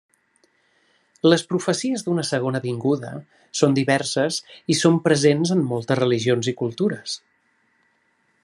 Les profecies d'una segona vinguda són diverses i són presents en moltes religions i cultures.